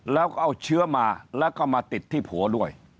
แล้วก็เอาเชื้อมาแล้วก็มาติดที่ผัวด้วย